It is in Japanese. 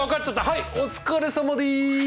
はいお疲れさまです。